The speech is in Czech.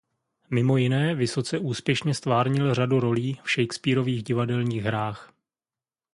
Mimo jiné vysoce úspěšně ztvárnil řadu rolí v Shakespearových divadelních hrách.